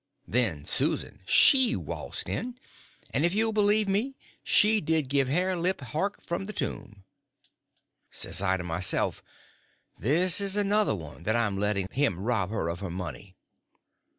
Then Susan she waltzed in; and if you'll believe me, she did give Hare lip hark from the tomb! Says I to myself, and this is another one that I'm letting him rob her of her money!